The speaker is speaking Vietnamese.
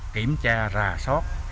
kiểm tra ra sót